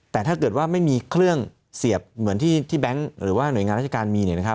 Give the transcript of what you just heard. แต่ถ้าเกิดว่าไม่มีเครื่องเสียบเหมือนที่แบงค์หรือหน่วยงานราชการมี